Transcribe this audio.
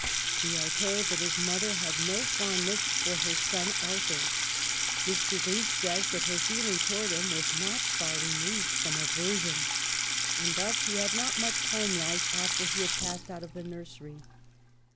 We are told that his mother had no fondness for her son Arthur ; Mr. Gleig says that her feeling towards him was " not far removed from aversion "; and thus he had not AT ANGERS much home life after he had passed out of the nursery.